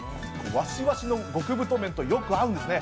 わしわしの極太麺とよく合うんですね。